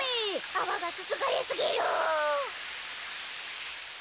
あわがすすがれすぎる。